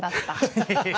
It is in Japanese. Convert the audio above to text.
ハハハハ！